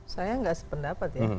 saya nggak sependapat ya